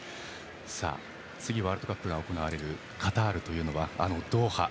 ワールドカップが行われるカタールはドーハ。